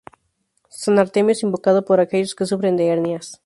San Artemio es invocado por aquellos que sufren de hernias.